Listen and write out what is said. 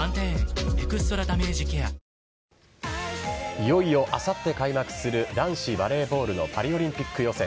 いよいよ、あさって開幕する男子バレーボールのパリオリンピック予選。